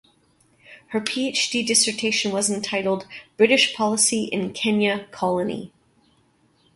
Her PhD dissertation was entitled "British policy in Kenya Colony".